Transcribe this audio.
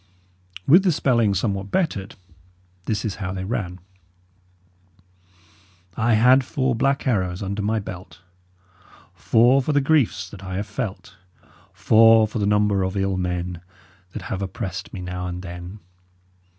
With the spelling somewhat bettered, this is how they ran: "I had four blak arrows under my belt, Four for the greefs that I have felt, Four for the nomber of ill menne That have opressid me now and then.